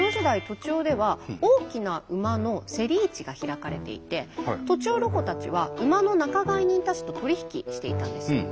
栃尾では大きな馬の競り市が開かれていて栃尾ロコたちは馬の仲買人たちと取り引きしていたんです。